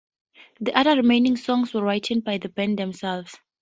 The other remaining songs were written by the band themselves.